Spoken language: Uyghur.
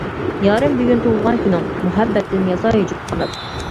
يارىم بۈگۈن تۇغۇلغان كۈنۈڭ، مۇھەببەتتىن ياساي جۈپ قانات.